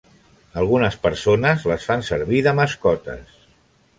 Algunes persones les fan servir de mascotes.